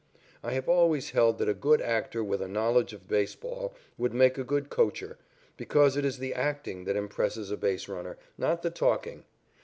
I have always held that a good actor with a knowledge of baseball would make a good coacher, because it is the acting that impresses a base runner, not the talking.